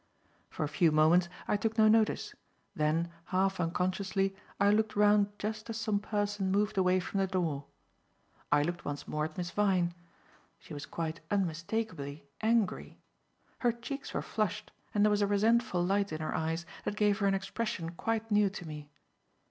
For a few moments I took no notice; then, half unconsciously, I looked round just as some person moved away from the door. I looked once more at Miss Vyne. She was quite unmistakably angry. Her cheeks were flushed and there was a resentful light in her eyes that gave her an expression quite new to me.